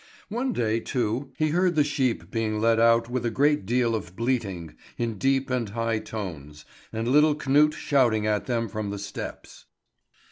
One day, too, he heard the sheep being let out with a great deal of bleating in deep and high tones, and little Knut shouting at them from the steps.